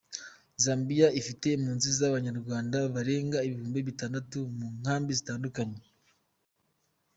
Zambia ifite impunzi z’Abanyarwanda barenga ibihumbi bitandatu mu nkambi zitandukanye.